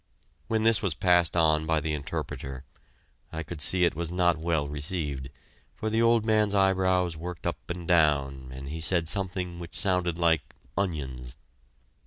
When this was passed on by the interpreter, I could see it was not well received, for the old man's eyebrows worked up and down and he said something which sounded like "Onions."